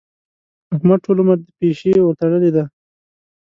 احمد ټول عمر د پيشي ورتړلې دي.